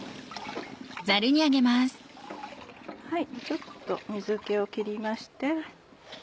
ちょっと水気を切りまして。